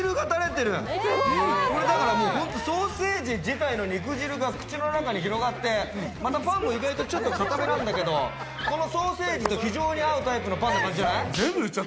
これだから、もう本当、ソーセージ自体の肉汁が口の中に広がって、またパンも意外とちょっと硬めなんだけど、このソーセージと非常に合うパンの感じじゃない？